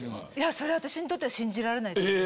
それは私にとっては信じられないですね。